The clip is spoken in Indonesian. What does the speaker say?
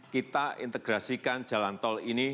kita integrasikan jalan tol ini